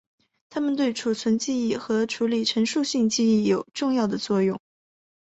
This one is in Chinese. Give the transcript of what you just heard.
它们对储存记忆和处理陈述性记忆有重要的作用。